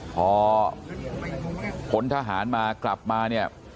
พอพ้นทหารมากลับมาเนี่ย